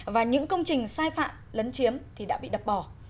và những công trình sai phạm lấn chiếm thì đã bị đập bỏ